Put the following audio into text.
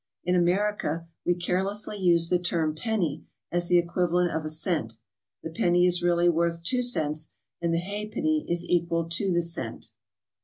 In America we carelessly use the term ''penny" as the equivalent of a cent; the penny is really worth two cents, and the ha'penny is equal to the cent.